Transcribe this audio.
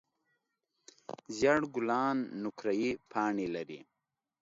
زېړ ګلان او نقریي پاڼې لري.